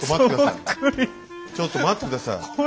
ちょっと待って下さい。